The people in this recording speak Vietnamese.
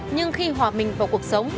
nhưng khi hòa mình vào cuộc sống